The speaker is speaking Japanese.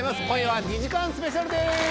今夜は２時間スペシャルです